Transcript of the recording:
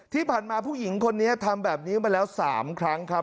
ที่ผ่านมาผู้หญิงคนนี้ทำแบบนี้มาแล้ว๓ครั้งครับ